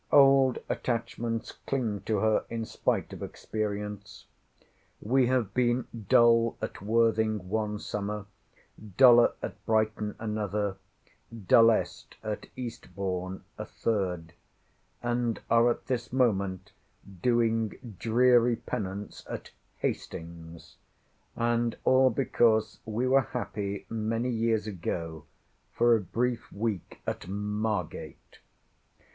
Old attachments cling to her in spite of experience. We have been dull at Worthing one summer, duller at Brighton another, dullest at Eastbourn a third, and are at this moment doing dreary penance at—Hastings!—and all because we were happy many years ago for a brief week at—Margate.